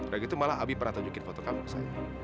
udah gitu malah abi pernah tunjukin foto kamu ke saya